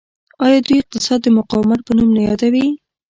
آیا دوی اقتصاد د مقاومت په نوم نه یادوي؟